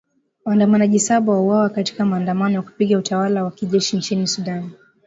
Waandamanaji saba wauawa katika maandamano ya kupinga utawala wa kijeshi nchini Sudan